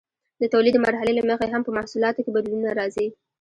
د تولید د مرحلې له مخې هم په محصولاتو کې بدلونونه راځي.